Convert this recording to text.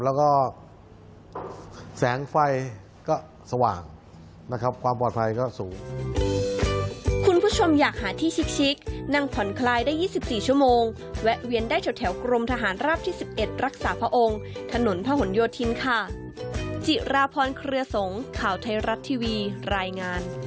แล้วก็แสงไฟก็สว่างนะครับความปลอดภัยก็สูง